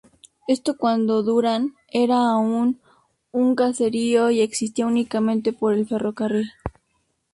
Esto cuando Durán era aún un caserío y existía únicamente por el ferrocarril.